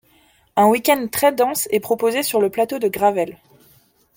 Un week-end très dense est proposé sur le plateau de Gravelle.